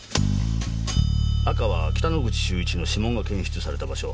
赤は北之口秀一の指紋が検出された場所。